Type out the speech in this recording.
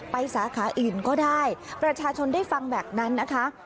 สาขาอื่นก็ได้ประชาชนได้ฟังแบบนั้นนะคะ